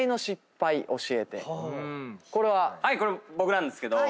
これ僕なんですけど。